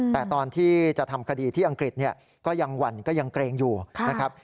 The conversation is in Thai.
แต่ตอนที่จะทำคดีที่อังกฤษเนี่ยก็ยังหวั่นก็ยังเกรงอยู่นะครับ